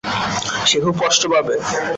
সে খুব কষ্ট পাবে।